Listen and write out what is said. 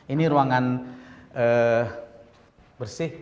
ini ruangan bersih